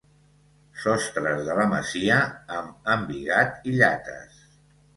Sostres de la masia amb embigat i llates.